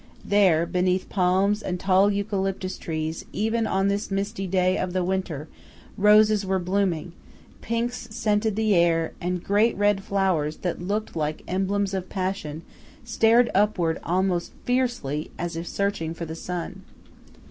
There beneath palms and tall eucalyptus trees even on this misty day of the winter, roses were blooming, pinks scented the air, and great red flowers, that looked like emblems of passion, stared upward almost fiercely, as if searching for the sun.